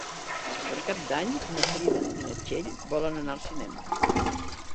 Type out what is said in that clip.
Per Cap d'Any na Frida i na Txell volen anar al cinema.